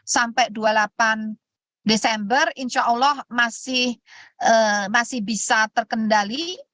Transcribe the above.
sampai dua puluh delapan desember insya allah masih bisa terkendali